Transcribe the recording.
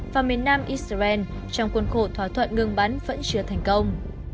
vào miền nam israel trong cuộc khổ thỏa thuận ngưng bắn vẫn chưa thành công